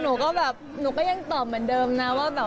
หนูก็ยังตอบเหมือนเดิมนะ